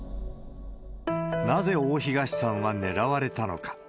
なぜ大東さんは狙われたのか。